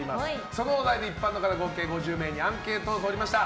そのお題で一般の方合計５０人にアンケートを取りました。